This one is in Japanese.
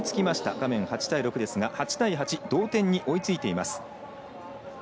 画面は８対６ですが同点に追いついています。